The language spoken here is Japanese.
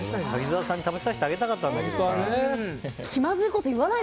柿澤さんに食べさせてあげたかったな。